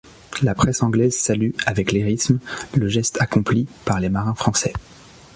La presse anglaise salue, avec lyrisme, le geste accompli par les marins français.